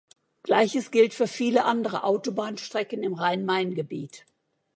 Gleiches gilt für viele andere Autobahnstrecken im Rhein-Main-Gebiet.